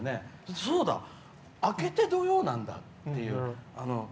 そうだ、明けて土曜なんだって。